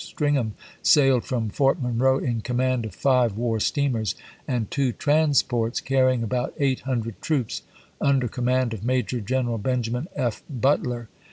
Stringham sailed from Fort Monroe in command of five war steamers and two transports, carrying about eight hundred troops under command of Major General Benjamin F. Butler.